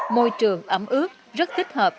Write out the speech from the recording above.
môi trường ấm ướt rất thích hợp